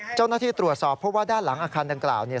เจ้าหน้าที่ตรวจสอบเพราะว่าด้านหลังอาคารดังกล่าวเนี่ย